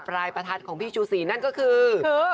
รายประทัดของพี่จู๋สีนั่นก็คือ๑๕๑๕๓